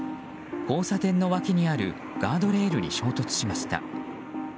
交差点の脇にあるガードレールに衝突しました。